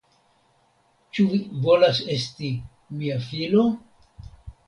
Ĉu vi volas esti mia filo?